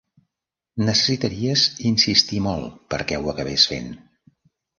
Necessitaries insistir molt perquè ho acabés fent.